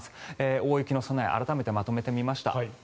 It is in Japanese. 大雪の備え改めてまとめてみました。